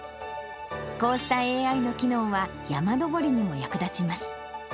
こうしたＡＩの機能は、山登りにも役立ちます。